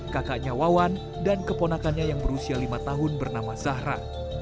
kakaknya wawan dan keponakannya yang berusia lima tahun bernama zahra